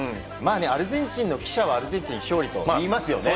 アルゼンチンの記者はアルゼンチンが勝利と言いますよね。